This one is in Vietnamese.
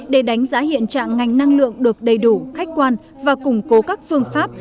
để đánh giá hiện trạng ngành năng lượng được đầy đủ khách quan và củng cố các phương pháp